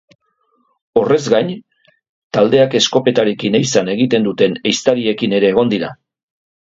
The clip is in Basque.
Horrez gain, taldeak eskopetarekin ehizan egiten duten ehiztariekin ere egon dira.